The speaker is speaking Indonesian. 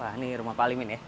wah ini rumah pak alimin ya